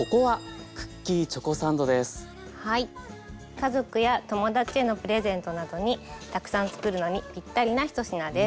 家族や友達へのプレゼントなどにたくさんつくるのにぴったりな一品です。